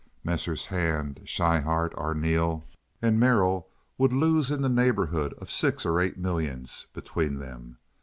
Messrs. Hand, Schryhart, Arneel, and Merrill would lose in the neighborhood of six or eight millions between them.